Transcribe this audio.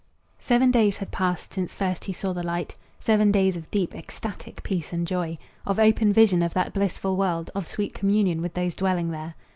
Seven days had passed since first he saw the light, Seven days of deep, ecstatic peace and joy, Of open vision of that blissful world, Of sweet communion with those dwelling there.